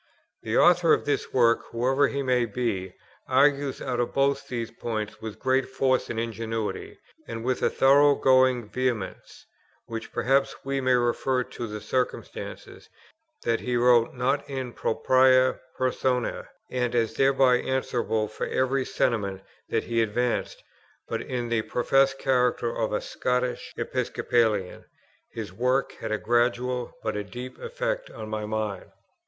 The author of this work, whoever he may be, argues out both these points with great force and ingenuity, and with a thorough going vehemence, which perhaps we may refer to the circumstance, that he wrote, not in propriâ personâ, and as thereby answerable for every sentiment that he advanced, but in the professed character of a Scotch Episcopalian. His work had a gradual, but a deep effect on my mind.